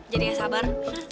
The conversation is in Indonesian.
jadi gak sabar